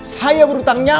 saya berhutang nyawa